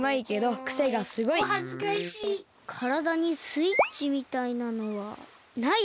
からだにスイッチみたいなのはないですね。